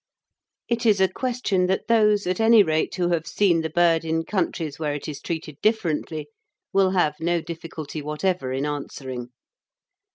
It is a question that those, at any rate, who have seen the bird in countries where it is treated differently will have no difficulty whatever in answering.